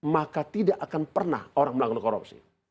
maka tidak akan pernah orang melakukan korupsi